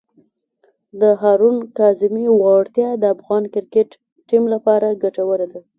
د هارون کاظمي وړتیا د افغان کرکټ ټیم لپاره ګټوره ده.